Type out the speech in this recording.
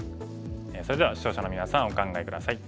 それでは視聴者のみなさんお考え下さい。